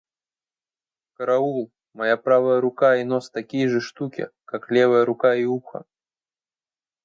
Караул, моя правая рука и нос такие же штуки, как левая рука и ухо!